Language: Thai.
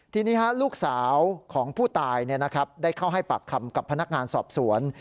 ทีนี้ลูกสาวของผู้ตายได้เข้าให้ปากคำกับพนักงานสอบสวน